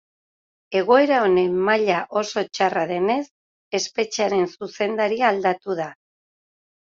Egoera honen maila oso txarra denez espetxearen zuzendaria aldatu da.